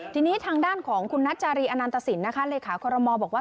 ทีนี้ทางด้านของคุณนัจจารีอนันตสินนะคะเลขาคอรมอลบอกว่า